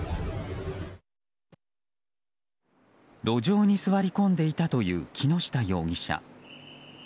路上に座り込んでいたという木下容疑者。